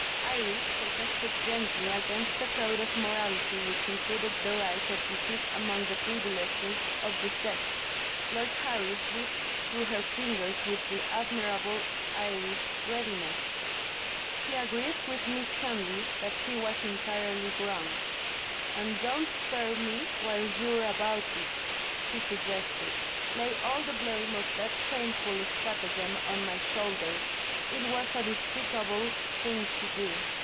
Iris protested gently against a code of morality which included the right of deceit among the privileges of the sex. Lord Harry slipped through her fingers with the admirable Irish readiness; he agreed with Miss Henley that he was entirely wrong. "And don't spare me while you're about it," he suggested. "Lay all the blame of that shameful stratagem on my shoulders. It was a despicable thing to do.